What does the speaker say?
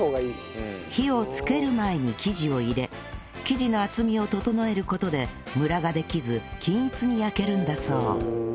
火をつける前に生地を入れ生地の厚みを整える事でムラができず均一に焼けるんだそう